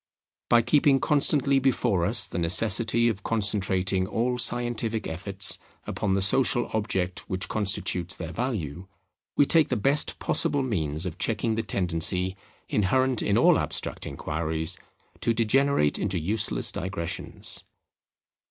By keeping constantly before us the necessity of concentrating all scientific efforts upon the social object which constitutes their value, we take the best possible means of checking the tendency inherent in all abstract inquiries to degenerate into useless digressions.